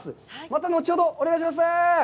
また後ほどお願いします。